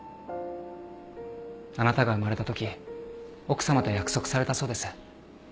あなたが生まれたとき奥さまと約束されたそうです。